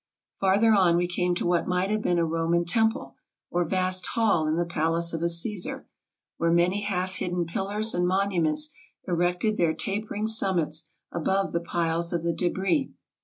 Farther on we came to what might have been a Roman temple or vast hall in the palace of a Caesar, where many half hidden pillars and monuments erected their tapering summits above the piles of the debris.